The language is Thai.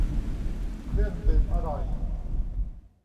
เครื่องดื่มอร่อย